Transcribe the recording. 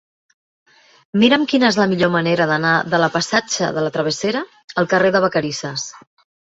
Mira'm quina és la millor manera d'anar de la passatge de la Travessera al carrer de Vacarisses.